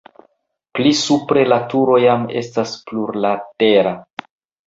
Pli supre la turo jam estas plurlatera.